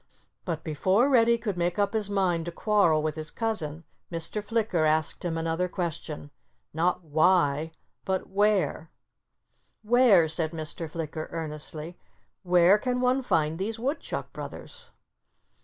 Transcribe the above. But before Reddy could make up his mind to quarrel with his cousin Mr. Flicker asked him another question—not "Why?" but "Where?" "Where—" said Mr. Flicker earnestly—"where can one find these Woodchuck brothers?"